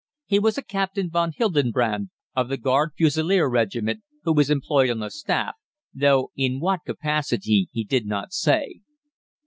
He was a Captain von Hildebrandt, of the Guard Fusilier Regiment, who was employed on the Staff, though in what capacity he did not say.